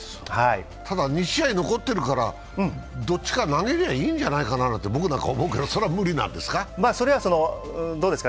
ただ、２試合残ってるから、どっちか投げりゃいいんじゃないかなと思うんだけどそれは無理なんですか？